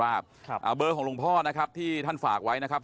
เบอร์ของหลวงพ่อนะครับที่ท่านฝากไว้นะครับ